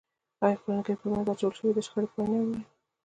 آیا قرآن کریم په منځ کې اچول د شخړې پای نه وي؟